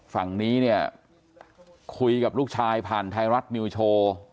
ฝั่งนี้เนี่ยคุยกับลูกชายผ่านไทยรัฐนิวโชว์